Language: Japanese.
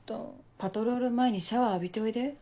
パトロール前にシャワー浴びておいで。